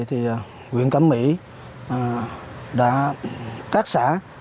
nguyện cẩm mỹ các xã